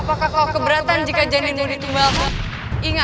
apakah kau keberatan jika janinmu ditumbang